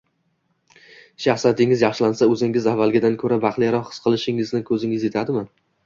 shaxsiyatingiz yaxshilansa o’zingizni avvalgidan ko’ra baxtliroq his qilishingizga ko’zingiz yetadimi